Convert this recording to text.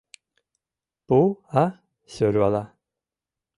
Пу, а? — сӧрвала.